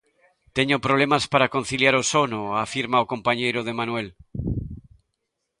Teño problemas para conciliar o sono, afirma o compañeiro de Manuel.